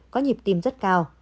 có nhịp tim rất cao